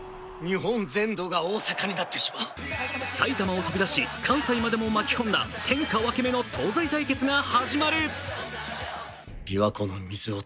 埼玉を飛び出し関西までも巻き込んだ天下分け目の東西対決が始まる。